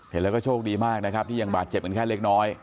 เห็นแล้วก็โชคดีมากนะครับที่ยังบาดเจ็บกันแค่เล็กน้อย